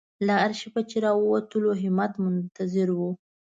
له آرشیفه چې راووتلو همت منتظر و.